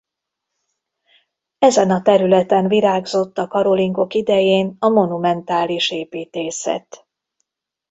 Ezen a területen virágzott a Karolingok idején a monumentális építészet.